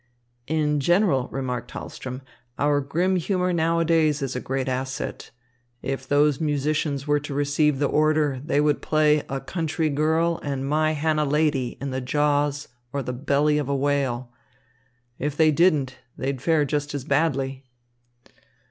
"In general," remarked Hahlström, "our grim humour nowadays is a great asset. If those musicians were to receive the order, they would play 'A Country Girl,' and 'My Hannah Lady,' in the jaws or the belly of a whale. If they didn't, they'd fare just as badly."